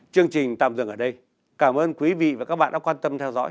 chương trình tạm dừng ở đây cảm ơn quý vị và các bạn đã quan tâm theo dõi